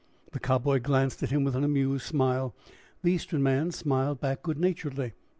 The Cowboy glanced at him with an amused smile. The Eastern man smiled back good naturedly.